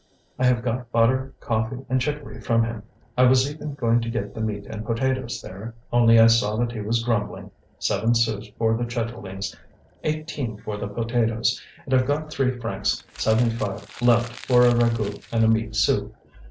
I have got butter, coffee, and chicory from him. I was even going to get the meat and potatoes there, only I saw that he was grumbling. Seven sous for the chitterlings, eighteen for the potatoes, and I've got three francs seventy five left for a ragout and a meat soup.